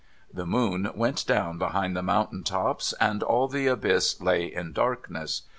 The moon went down behind the mountain tops, and all the abyss lay in darkness.